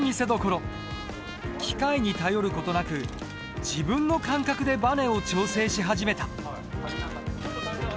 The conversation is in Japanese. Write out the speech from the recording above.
機械に頼る事なく自分の感覚でバネを調整し始めた。